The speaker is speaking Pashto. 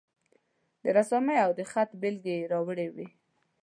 د رسامي او د خط بیلګې یې راوړې وې.